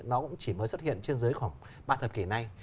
nó cũng chỉ mới xuất hiện trên giới khoảng ba thập kỷ này